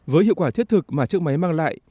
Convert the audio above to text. với hiệu quả thiết thực mà chiếc máy mang lại